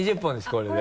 これで。